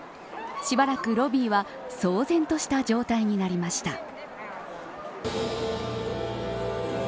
しばらく、ロビーは騒然とした状態になりました。